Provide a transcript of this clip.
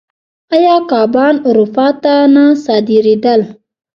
آیا کبان اروپا ته نه صادرېدل؟